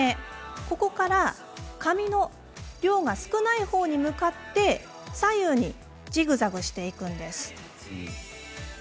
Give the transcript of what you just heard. ここから髪の量が少ないほうに向かって左右にジグザグしていきます。